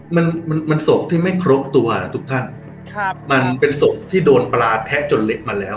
มันมันศพที่ไม่ครบตัวนะทุกท่านครับมันเป็นศพที่โดนปลาแทะจนเล็กมาแล้ว